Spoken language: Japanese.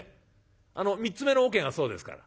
３つ目のおけがそうですから。